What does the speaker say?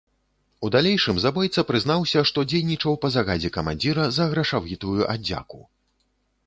У далейшым забойца прызнаўся, што дзейнічаў па загадзе камандзіра за грашавітую аддзяку.